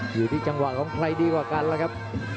อยู่ที่จังหวะของใครดีกว่ากันล่ะครับ